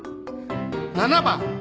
７番。